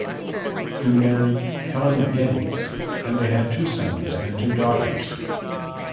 He married Helen Geddes and they had two sons and two daughters.